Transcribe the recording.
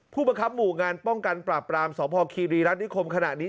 ผู้บังคับหมู่งานป้องกันปราบปรามสพคีรีรัฐนิคมขณะนี้